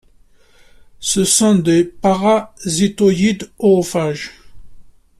Ce sont des parasitoïdes oophages.